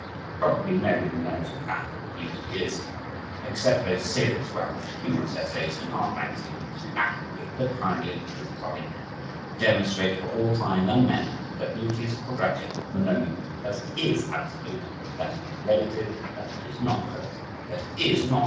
Probably nobody knows what actual beauty is except those serious writers of humorous essays in art magazines, who accurately, but kindly, with club in hand, demonstrate for all time and men that beauty is a quadratic monomial; that it is absolute; that it is relative; that it _is not relative, that it _is not...